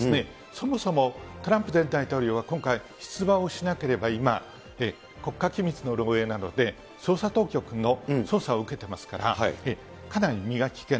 そもそもトランプ前大統領は今回、出馬をしなければ今、国家機密の漏えいなどで、捜査当局の捜査を受けてますから、かなり身が危険。